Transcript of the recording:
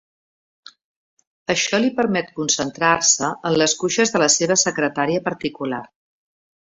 Això li permet concentrar-se en les cuixes de la seva secretària particular.